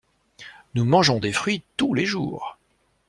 Nous mangeons des fruits tous les jours.